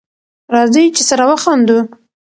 راځی چی سره وخاندو